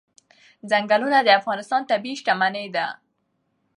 ځنګلونه د افغانستان طبعي شتمني ده.